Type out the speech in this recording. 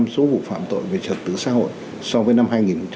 số vụ phạm tội về trật tự xã hội so với năm hai nghìn hai mươi